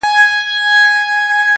• زه لکه سیوری -